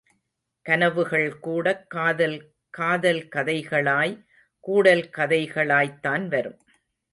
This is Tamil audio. கனவுகள்கூடக் காதல் காதல் கதைகளாய், கூடல் கதைகளாய்த்தான் வரும்.